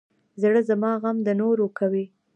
زړه زما غم د نورو کوي.